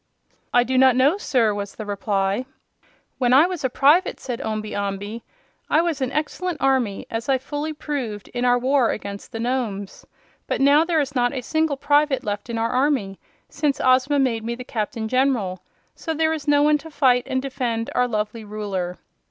"I do not know, sir," was the reply. "When I was a private," said Omby Amby, "I was an excellent army, as I fully proved in our war against the Nomes. But now there is not a single private left in our army, since Ozma made me the Captain General, so there is no one to fight and defend our lovely Ruler."